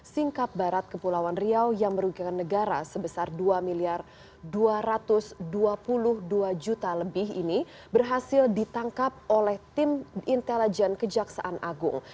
singkap barat kepulauan riau yang merugikan negara sebesar dua miliar dua ratus dua puluh dua juta lebih ini berhasil ditangkap oleh tim intelijen kejaksaan agung